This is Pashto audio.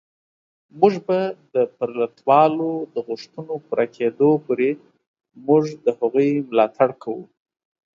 موږ به د پرلتوالو د غوښتنو پوره کېدو پورې موږ د هغوی ملاتړ کوو